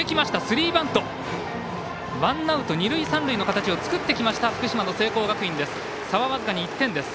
ワンアウト二塁三塁の形を作ってきた福島の聖光学院です。